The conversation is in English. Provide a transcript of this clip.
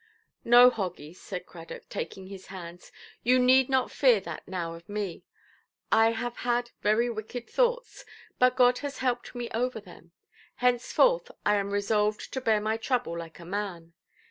"No, Hoggy", said Cradock, taking his hands; "you need not fear that now of me. I have had very wicked thoughts, but God has helped me over them. Henceforth I am resolved to bear my trouble like a man.